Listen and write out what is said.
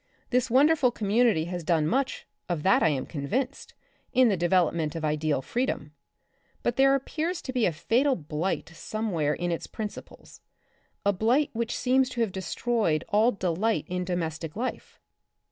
This wonderful community has done much, of that I am convinced, in the development of ideal freedom ; but there appears to be a fatal bh'ght somewhere in its principles, a blight which seems to have destroyed all delight in domestic life.